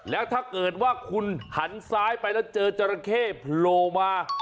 แล้วถ้าเกิดว่าคุณหันซ้ายไปแล้วเจอจราเข้โผล่มา